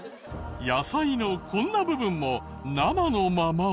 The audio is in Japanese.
野菜のこんな部分も生のまま。